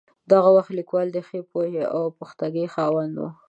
دغه وخت لیکوال د ښې پوهې او پختګۍ خاوند وي.